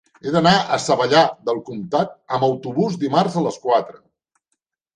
He d'anar a Savallà del Comtat amb autobús dimarts a les quatre.